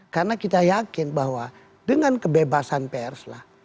karena kita yakin bahwa dengan kebebasan pers lah